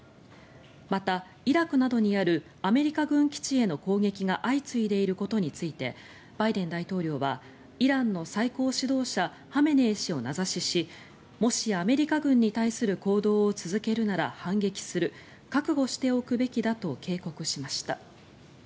また、イラクなどにあるアメリカ軍基地への攻撃が相次いでいることについてバイデン大統領はイランの最高指導者ハメネイ師を名指ししもしアメリカ軍に対する行動を続けるなら反撃する覚悟しておくべきだと警告しました。